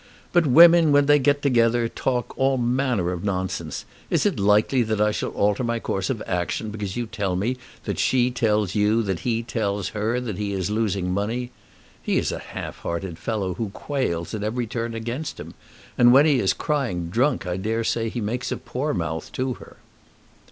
"But women when they get together talk all manner of nonsense. Is it likely that I shall alter my course of action because you tell me that she tells you that he tells her that he is losing money? He is a half hearted fellow who quails at every turn against him. And when he is crying drunk I dare say he makes a poor mouth to her."